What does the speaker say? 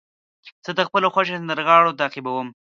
زه د خپلو خوښې سندرغاړو تعقیب کوم.